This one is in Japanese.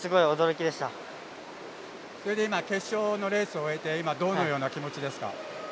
それで今決勝のレースを終えて今どのような気持ちですか？